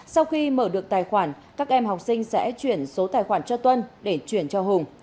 sau khi mở được tài khoản các em học sinh sẽ chuyển số tài khoản cho tuân để chuyển cho hùng